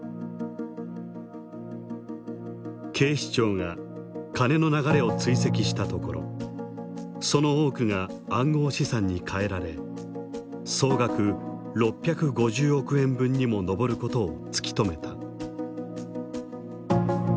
警視庁が金の流れを追跡したところその多くが暗号資産に替えられ総額６５０億円分にも上ることを突き止めた。